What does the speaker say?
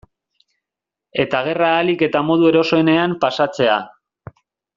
Eta gerra ahalik eta modu erosoenean pasatzea.